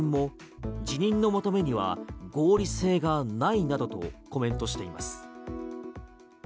また澤田氏の代理人も辞任の求めには合理性がないなどとコメントしています。